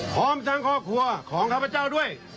พร้อมทั้งครอบครัวของข้าพเจ้าด้วย